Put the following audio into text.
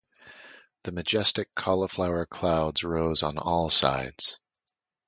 The majestic cauliflower clouds rose on all sides.